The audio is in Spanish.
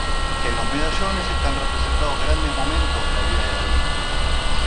En los medallones están representados grandes momentos de la vida de la Virgen.